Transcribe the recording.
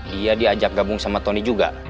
dia diajak gabung sama tony juga